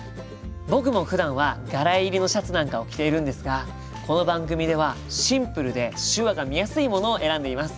僕もふだんは柄入りのシャツなんかを着ているんですがこの番組ではシンプルで手話が見やすいものを選んでいます。